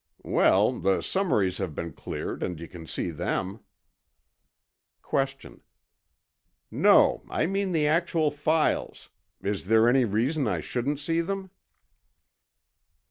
Well, the summaries have been cleared, and you can see them. Q. No, I mean the actual files. Is there any reason I shouldn't see them?